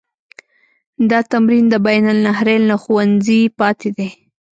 دا تمرین د بین النهرین له ښوونځي پاتې دی.